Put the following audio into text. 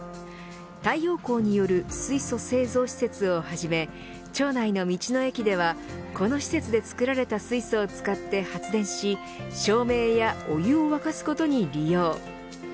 太陽光による水素製造施設をはじめ町内の道の駅ではこの施設で作られた水素を使って発電し照明やお湯を沸かすことに利用。